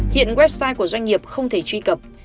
hiện website của doanh nghiệp không thể truy cập